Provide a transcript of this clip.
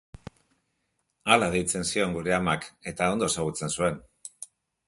Hala deitzen zion gure amak, eta ondo ezagutzen zuen.